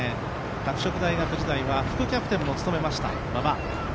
拓殖大学時代は副キャプテンも務めました、馬場。